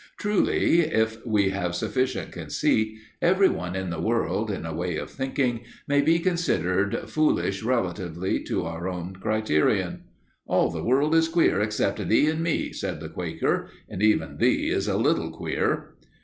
Truly, if we have sufficient conceit, every one in the world, in a way of thinking, may be considered foolish relatively to our own criterion. "All the world is queer except thee and me," said the Quaker, "and even thee is a little queer!"